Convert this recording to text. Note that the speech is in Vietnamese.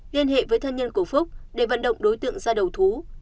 liên hệ với thân nhân của phúc để vận động đối tượng ra đầu thú